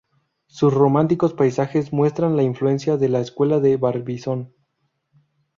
Sus románticos paisajes muestran la influencia de la Escuela de Barbizon.